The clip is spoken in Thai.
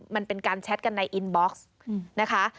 มันเป็นการแชทกันในอินบ็อกซ์นะคะ